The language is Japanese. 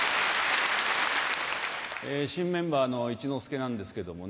新メンバーの一之輔なんですけどもね